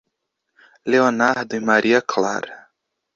Leonardo e Maria Clara